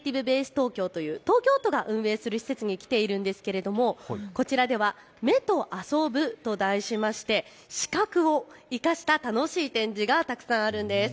東京という東京都が運営する施設に来ているんですがこちらでは眼と遊ぶと題しまして視覚を生かした楽しい展示がたくさんあるんです。